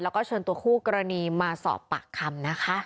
แล้วก็เชิญตัวคู่กรณีมาสอบปากคำนะคะ